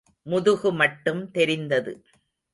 முதுகு மட்டும் தெரிந்தது.